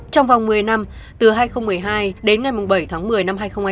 trong vòng một mươi năm từ hai nghìn một mươi hai đến ngày bảy tháng một mươi năm hai nghìn hai mươi